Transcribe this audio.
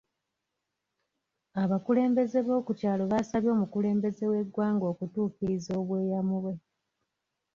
Abakulembeze b'okukyalo baasabye omukulembeze w'eggwanga okutukiriza obweyamo bwe.